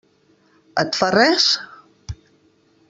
Et fa res?